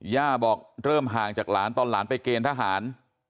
ย่าบอกเริ่มห่างจากหลานตอนหลานไปเกณฑ์ทหาร